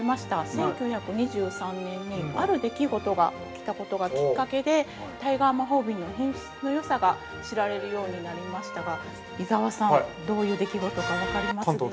１９２３年にある出来事が起きたことがきっかけでタイガー魔法瓶の品質のよさが知られるようになりましたが伊沢さん、どういう出来事か分かりますでしょうか。